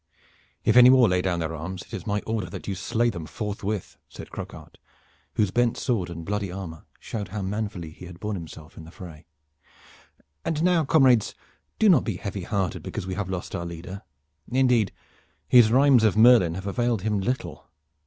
"If any more lay down their arms it is my order that you slay them forthwith," said Croquart, whose bent sword and bloody armor showed how manfully he had borne himself in the fray. "And now, comrades, do not be heavy hearted because we have lost our leader. Indeed, his rhymes of Merlin have availed him little.